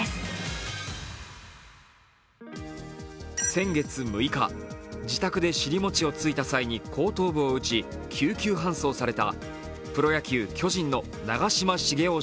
先月６日、自宅で尻餅をついた際に後頭部を打ち救急搬送されたプロ野球・巨人の長嶋茂雄